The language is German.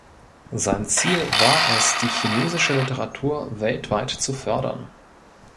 Sein Ziel war es, die chinesische Literatur weltweit zu fördern.